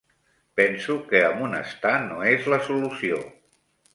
Penso que amonestar no és la solució.